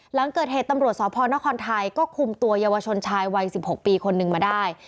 หลังเกิดเหตุตำรวจสพนครไทยก็คุมตัวเยาวชนชายวัย๑๖ปีคนนึงมาได้